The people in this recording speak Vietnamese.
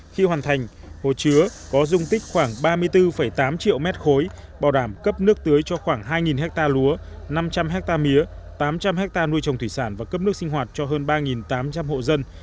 khi hoàn thành hồ chứa có dung tích khoảng ba mươi bốn tám triệu mét khối bảo đảm cấp nước tưới cho khoảng hai ha lúa năm trăm linh hectare mía tám trăm linh hectare nuôi trồng thủy sản và cấp nước sinh hoạt cho hơn ba tám trăm linh hộ dân